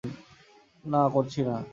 না, করছি না।